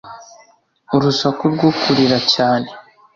Urusaku rwo kurira cyane